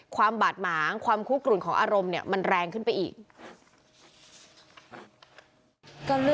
ความบาดหมางความคุกกลุ่นของอารมณ์เนี่ยมันแรงขึ้นไปอีก